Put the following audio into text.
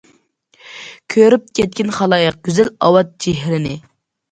كۆرۈپ كەتكىن خالايىق، گۈزەل ئاۋات چېھرىنى.